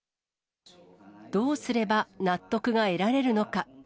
どうすれば納得が得られるのか。